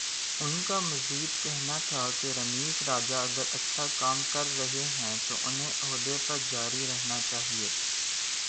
ان کا مزید کہنا تھا کہ رمیز راجہ اگر اچھا کام کررہے ہیں تو انہیں عہدے پر جاری رہنا چاہیے۔